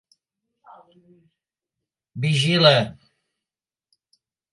Vigila!